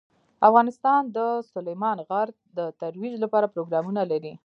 افغانستان د سلیمان غر د ترویج لپاره پروګرامونه لري.